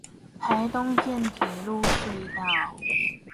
臺東線鐵路隧道